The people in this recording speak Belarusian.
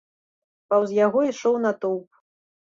Паўз яго ішоў натоўп.